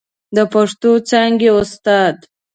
د پښتو څانګې استاد